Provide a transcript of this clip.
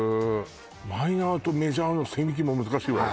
マイナーとメジャーの線引きも難しいわね